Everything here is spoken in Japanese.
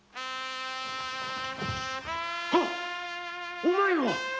あっお前は。